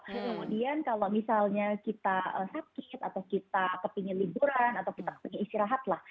kemudian kalau misalnya kita sakit atau kita kepingin liburan atau kita ingin istirahat lah